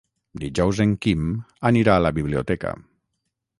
Dijous en Quim anirà a la biblioteca.